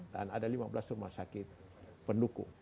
dan ada lima belas rumah sakit pendukung